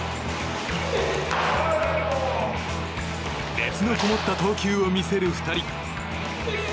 熱のこもった投球を見せる２人。